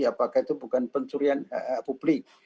apakah itu bukan pencurian publik